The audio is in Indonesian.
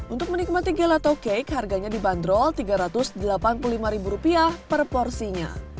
untuk menikmati gelato cake harganya dibanderol rp tiga ratus delapan puluh lima per porsinya